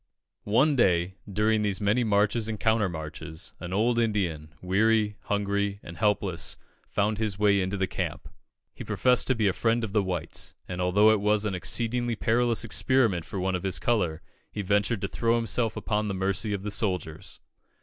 "One day, during these many marches and countermarches, an old Indian, weary, hungry, and helpless, found his way into the camp. He professed to be a friend of the whites; and, although it was an exceedingly perilous experiment for one of his colour, he ventured to throw himself upon the mercy of the soldiers.